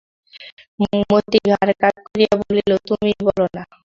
মতি ঘাড় কাত করিয়া বলিল, তুমিই বলো না?